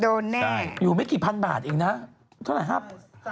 แน่อยู่ไม่กี่พันบาทเองนะเท่าไหร่ครับ